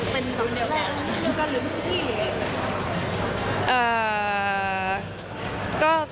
เป็นตรงเดียวกันหรือพวกพี่หรือยัง